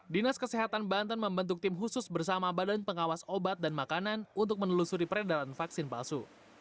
dinas kesehatan banten membentuk tim khusus bersama badan pengawas obat dan makanan untuk menelusuri peredaran vaksin palsu